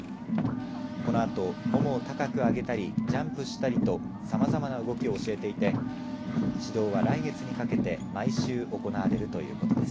このあと、ももを高く上げたりジャンプしたりとさまざまな動きを教えていて指導は来月にかけて毎週、行われるということです。